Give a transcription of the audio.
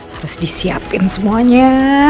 harus disiapin semuanya